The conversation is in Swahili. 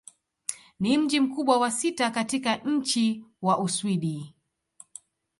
Ni mji mkubwa wa sita katika nchi wa Uswidi.